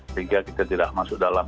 sehingga kita tidak masuk dalam